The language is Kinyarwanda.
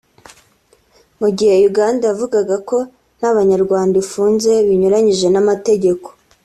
Mu gihe Uganda yavugaga ko nta banyarwanda ifunze binyuranyije n’amategeko